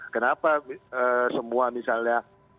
kenapa semua misalnya